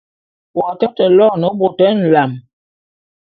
W'atate loene bôt nlam.